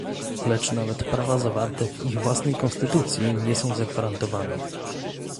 Lecz nawet prawa zawarte w ich własnej konstytucji nie są zagwarantowane